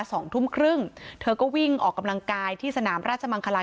สองทุ่มครึ่งเธอก็วิ่งออกกำลังกายที่สนามราชมังคลา